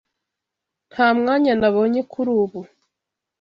Nta mwanya nabonye kuri ubu.